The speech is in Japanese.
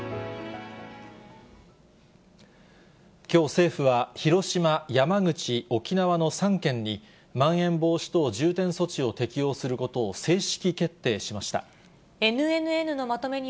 きょう、政府は、広島、山口、沖縄の３県に、まん延防止等重点措置を適用することを正式決定しました。